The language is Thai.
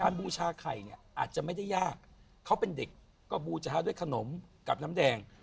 บูชาไข่เนี่ยอาจจะไม่ได้ยากเขาเป็นเด็กก็บูชาด้วยขนมกับน้ำแดง